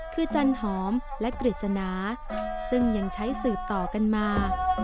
คือจันหอมและกฤษณาซึ่งยังใช้สืบต่อกันมา